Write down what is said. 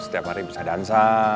setiap hari bisa dansa